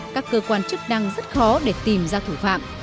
các cơ quan chức năng rất khó để tìm ra thủ phạm